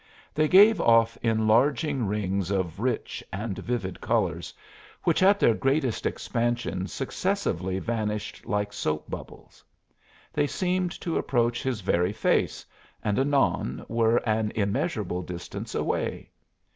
They gave off enlarging rings of rich and vivid colors, which at their greatest expansion successively vanished like soap bubbles; they seemed to approach his very face, and anon were an immeasurable distance away.